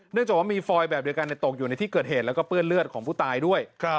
จากว่ามีฟอยแบบเดียวกันตกอยู่ในที่เกิดเหตุแล้วก็เปื้อนเลือดของผู้ตายด้วย